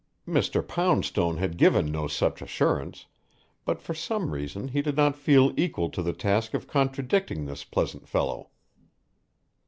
Mr. Poundstone had given no such assurance, but for some reason he did not feel equal to the task of contradicting this pleasant fellow.